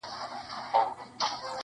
ته سینې څیره له پاسه د مرغانو-